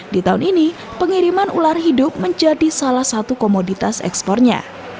di tahun ini pengiriman ular hidup menjadi salah satu komoditas ekspornya